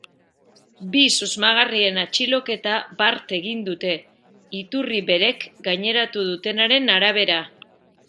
Bi susmagarrien atxiloketa bart egin dute, iturri berek gaineratu dutenaren arabera.